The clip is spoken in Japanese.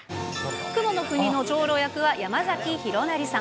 雲の国の長老役は山崎弘也さん。